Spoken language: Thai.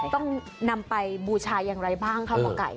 ต้องนำไปบูชาอย่างไรบ้างคะหมอไก่